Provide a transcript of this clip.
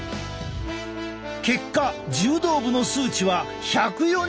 結果柔道部の数値は１４５％！